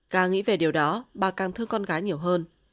càng nghĩ về điều đó bà càng thương con gái nhiều hơn